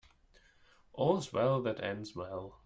All's well that ends well.